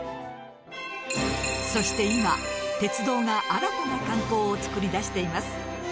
そして今鉄道が新たな観光を作り出しています。